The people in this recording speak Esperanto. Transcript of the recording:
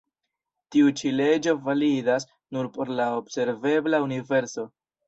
Tiu-ĉi leĝo validas nur por la observebla universo.